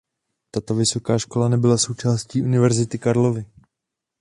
Tato vysoká škola nebyla součástí Univerzity Karlovy.